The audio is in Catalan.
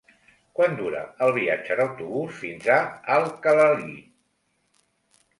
Quant dura el viatge en autobús fins a Alcalalí?